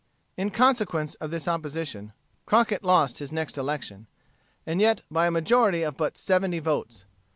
In consequence of this opposition, Crockett lost his next election, and yet by a majority of but seventy votes.